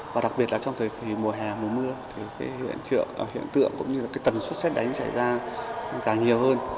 và đặc biệt là trong thời kỳ mùa hè mùa mưa thì hiện tượng cũng như tầng suất xét đánh xảy ra càng nhiều hơn